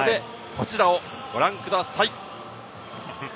こちらをご覧ください！